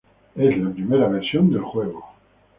Es la primera versión del juego.